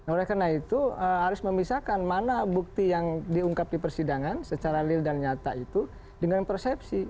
oleh karena itu harus memisahkan mana bukti yang diungkap di persidangan secara real dan nyata itu dengan persepsi